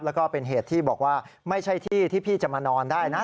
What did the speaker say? แล้วก็เป็นเหตุที่บอกว่าไม่ใช่ที่ที่พี่จะมานอนได้นะ